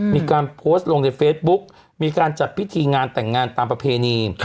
มีการโพสต์ลงในเฟซบุ๊กมีการจัดพิธีงานแต่งงานตามประเพณี